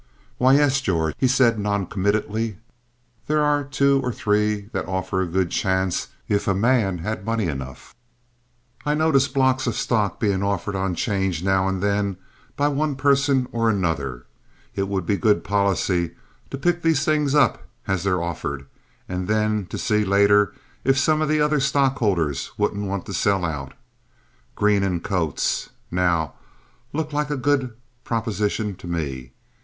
"Why, yes, George," he said, noncommittally, "there are two or three that offer a good chance if a man had money enough. I notice blocks of stock being offered on 'change now and then by one person and another. It would be good policy to pick these things up as they're offered, and then to see later if some of the other stockholders won't want to sell out. Green and Coates, now, looks like a good proposition to me.